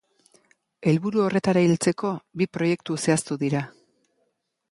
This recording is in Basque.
Helburu horretara heltzeko, bi proiektu zehaztu dira.